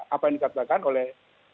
apa yang dikatakan oleh